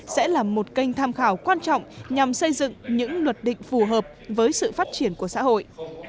sẽ là một kênh tham khảo quan trọng nhằm xây dựng những luật định phù hợp với sự phát triển của xã hội